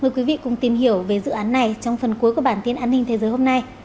mời quý vị cùng tìm hiểu về dự án này trong phần cuối của bản tin an ninh thế giới hôm nay